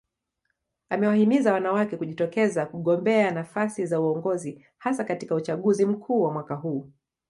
Amewahimiza wanawake kujitokeza kugombea nafasi za uongozi hasa katika uchaguzi mkuu wa mwaka huu